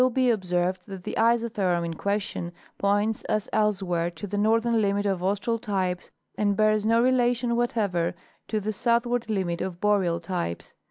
be observed that the isotherm in question points, as elsewhere, to the northern limit of Austral types and bears no relation what ever to the southward limit of Boreal types.